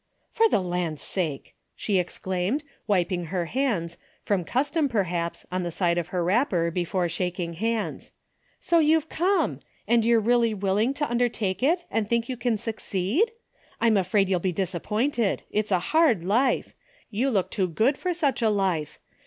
''For the land sake!" she exclaimed, wip ing her hands, from custom perhaps, on the side of her wrapper before shaking hands. " So you've come 1 And you're really willing to undertake it, and think you can succeed ? I'm afraid you'll be disappointed. It's a hard life ! You look too good for such a life.